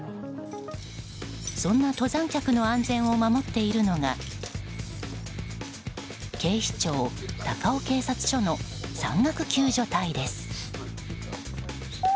そんな登山客の安全を守っているのが警視庁高尾警察署の山岳救助隊です。